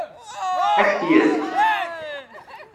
Ad k-t-yefk?